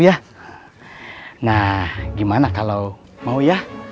ya nah gimana kalau mau ya